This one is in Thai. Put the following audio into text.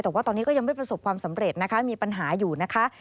แต่ว่าตอนนี้ก็ยังไม่ประสบความสำเร็จนะคะมีปัญหาอยู่นะคะ